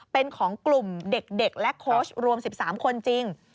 เป็นของกลุ่มเด็กและโค้ชรวม๑๓คนจริง